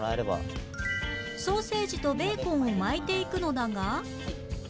ソーセージとベーコンを巻いていくのだが